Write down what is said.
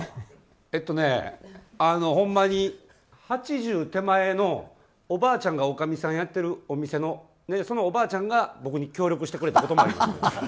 えっとね、ほんまに８０手前のおばあちゃんがおかみさんやってるお店のそのおばあちゃんが僕に協力してくれたこともあります。